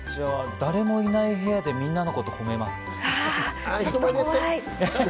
誰もいない部屋でみんなのこと褒めます。